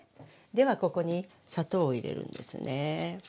ではここに砂糖を入れるんですね。